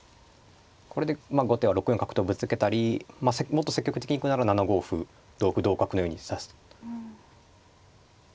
これで後手は６四角とぶつけたりもっと積極的に行くなら７五歩同歩同角のように指す。